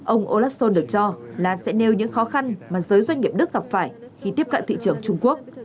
ông olaf schol được cho là sẽ nêu những khó khăn mà giới doanh nghiệp đức gặp phải khi tiếp cận thị trường trung quốc